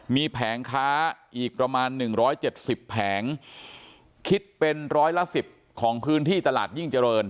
มีแผงค้าอีกประมาณหนึ่งร้อยเจ็ดสิบแผงคิดเป็นร้อยละสิบของพื้นที่ตลาดยิ่งเจริญ